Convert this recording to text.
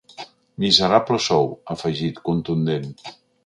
Miserable sou, ha afegit, contundent.